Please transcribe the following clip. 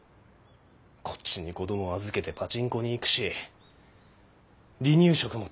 こっちに子供預けてパチンコに行くし離乳食も手抜きだし。